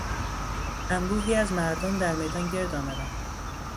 انبوهی از مردم در میدان گرد آمدند.